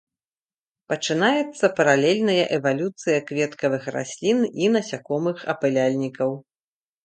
Пачынаецца паралельная эвалюцыя кветкавых раслін і насякомых-апыляльнікаў.